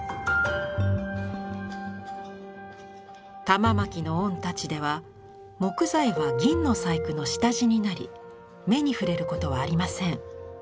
玉纏御太刀では木材は銀の細工の下地になり目に触れることはありません。